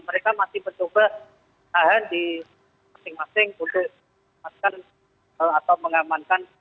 mereka masih mencoba tahan di masing masing untuk mengamankan